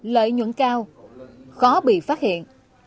lợi nhuận cao khó bị phát hiện